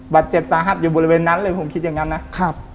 บาดเจ็บสาหัสอยู่บริเวณนั้นเลยผมคิดอย่างงั้นนะครับ